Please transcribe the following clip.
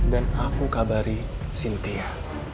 dan aku kabari sintia